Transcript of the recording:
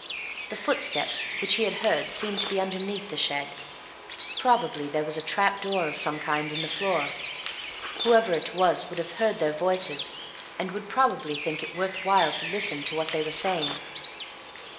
The footsteps which he had heard seemed to be underneath the shed; probably there was a trap door of some kind in the floor. Whoever it was would have heard their voices, and would probably think it worth while to listen to what they were saying.